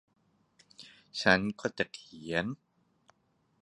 ฉันก็จะเขียน